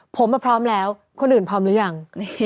ผมมาพร้อมแล้วคนอื่นพร้อมหรือยัง